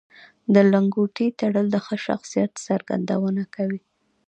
د لنګوټې تړل د ښه شخصیت څرګندونه کوي